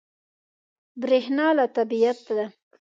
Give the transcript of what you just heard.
برېښنا له طبیعت ده.